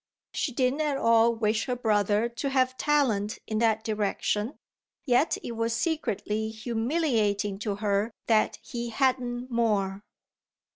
She didn't at all wish her brother to have talent in that direction, yet it was secretly humiliating to her that he hadn't more.